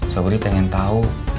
sobri pengen tahu